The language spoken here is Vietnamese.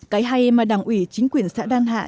cái hay mà đảng ủy chính quyền xã đan hạ